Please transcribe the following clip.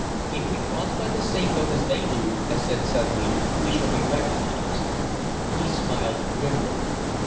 "If we cross by the same boat as they do," I said suddenly, "we shall be recognized." He smiled grimly.